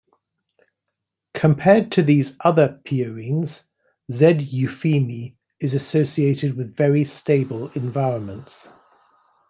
Compared to these other pierines, "Z. eupheme" is associated with very stable environments.